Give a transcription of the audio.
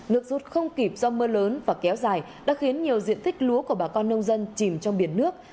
nước rút không kịp do mưa lớn và kéo dài đã khiến nhiều diện tích lúa của bà con nông dân chìm trong biển nước